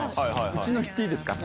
うちの言っていいですか？